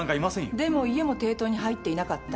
でも家も抵当に入っていなかった。